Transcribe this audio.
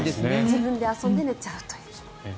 自分で遊んで寝ちゃうという。